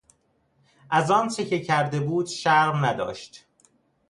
از آنچه که کرده بود شرم نداشت.